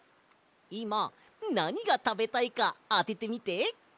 いまなにがたべたいかあててみて！